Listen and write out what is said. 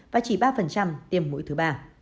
và chỉ ba tiêm mũi thứ ba